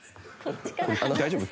大丈夫？